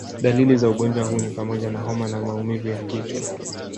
Dalili za ugonjwa huu ni pamoja na homa na maumivu ya kichwa